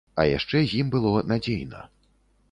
А яшчэ з ім было надзейна.